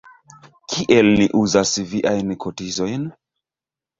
Kiel ni uzas viajn kotizojn?